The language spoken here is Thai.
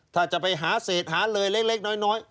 ถ้าจะไปหาเศษหาเลยเล็กน้อย